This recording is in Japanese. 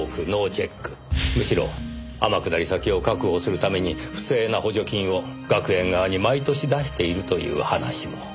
むしろ天下り先を確保するために不正な補助金を学園側に毎年出しているという話も。